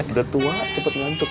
udah tua cepet ngantuk